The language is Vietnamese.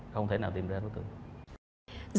không thể nào tìm ra đối tượng